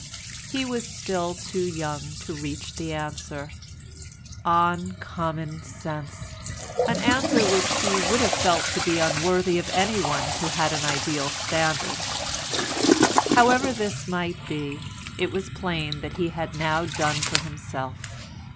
He was still too young to reach the answer, "On common sense"—an answer which he would have felt to be unworthy of anyone who had an ideal standard. However this might be, it was plain that he had now done for himself.